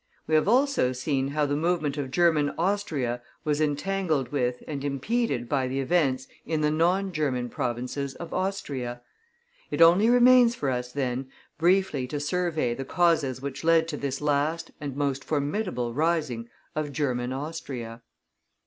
We have also seen how the movement of German Austria was entangled with and impeded by the events in the non German provinces of Austria. It only remains for us, then, briefly to survey the causes which led to this last and most formidable rising of German Austria.